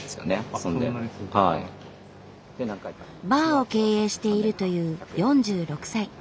バーを経営しているという４６歳。